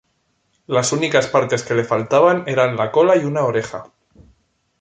Las únicas partes que le faltaban eran la cola y una oreja.